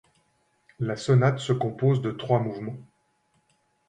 La sonate se compose de trois mouvements.